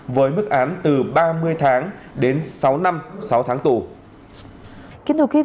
với mức án từ ba mươi tháng đến sáu năm sáu tháng tù